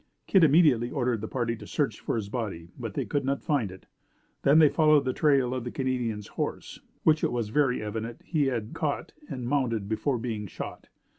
Kit immediately ordered the party to search for his body, but they could not find it. They then followed the trail of the Canadian's horse, which it was very evident he had caught and mounted before being shot.